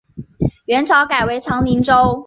元朝改为长宁州。